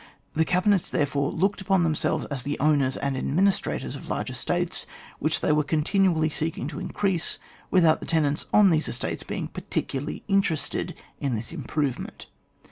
The cabinets, therefore, looked upon themselves as the owners and adminis trators of large estates, which they were continuaUy seeking to increase without the tenants on these estates being particularly interested in this im provement.